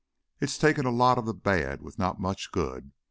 It's takin' a lot of the bad, with not much good.